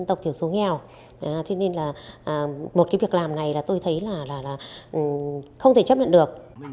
dọc tiểu số nghèo thế nên là một cái việc làm này là tôi thấy là không thể chấp nhận được